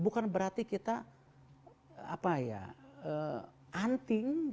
bukan berarti kita anting